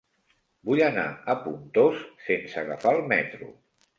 Vull anar a Pontós sense agafar el metro.